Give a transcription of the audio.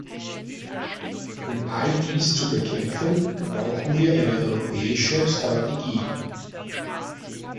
Um all dies zu bekämpfen, brauchen wir eine europäische Strategie.